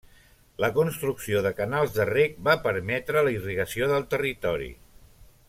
La construcció de canals de reg va permetre la irrigació del territori.